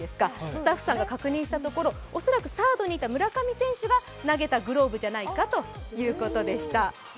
スタッフさんが確認したところ恐らくサードにいた村上選手が投げたグローブじゃないかといことでした。